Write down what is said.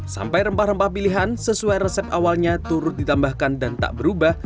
sampai rempah rempah pilihan sesuai resep awalnya turut ditambahkan dan tak berubah